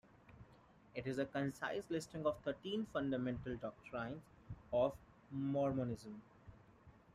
It is a concise listing of thirteen fundamental doctrines of Mormonism.